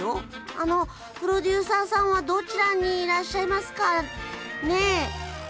あのプロデューサーさんはどちらにいらっしゃいますか？ね？